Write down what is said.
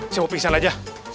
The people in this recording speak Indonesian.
saya mau pingsan aja